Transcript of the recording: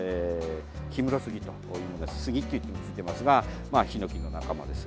ヒムロスギというんですがスギといっているんですがヒノキの仲間です。